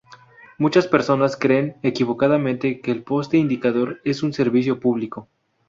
Muchas personas creen equivocadamente que el poste indicador es un servicio público.